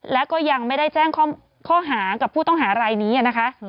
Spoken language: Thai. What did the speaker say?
แล้วก็ยังไม่ได้แจ้งข้อหากับผู้ต้องหารายนี้นะคะ